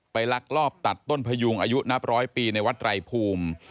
ลักลอบตัดต้นพยุงอายุนับร้อยปีในวัดไรภูมิ